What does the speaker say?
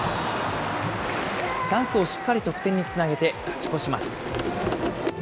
チャンスをしっかり得点につなげて、勝ち越します。